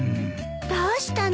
どうしたの？